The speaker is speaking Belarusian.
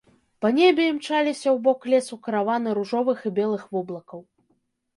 Па небе імчаліся ў бок лесу караваны ружовых і белых воблакаў.